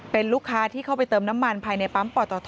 เป็นลูกค้าที่เข้าไปเติมน้ำมันภายในปั๊มปตท